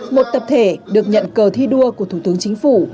một tập thể được nhận cờ thi đua của thủ tướng chính phủ